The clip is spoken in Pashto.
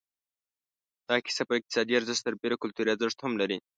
دا کسب پر اقتصادي ارزښت سربېره کلتوري ارزښت هم لري.